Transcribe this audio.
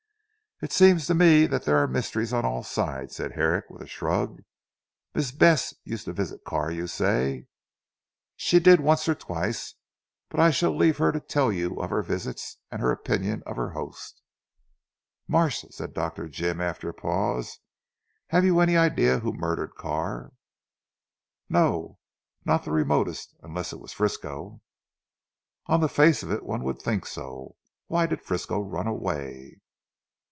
"It seems to me that there are mysteries on all sides," said Herrick with a shrug. "Miss Bess used to visit Carr you say?" "She did once or twice; but I shall leave her to tell you of her visits and her opinion of her host." "Marsh!" said Dr. Jim after a pause. "Have you any idea who murdered Carr?" "No! Not the remotest. Unless it was Frisco." "On the face of it, one would think so. Why did Frisco run away?"